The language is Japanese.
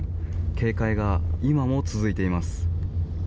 警戒が今も続いています。